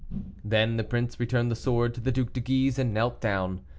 Then the prince returned the sword to the Duc de Guise, and knelt down.